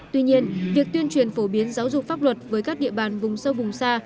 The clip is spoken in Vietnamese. tuy nhiên việc tuyên truyền phổ biến giáo dục pháp luật với các địa bàn vùng sâu vùng xa